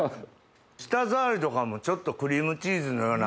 舌触りとかもちょっとクリームチーズのような。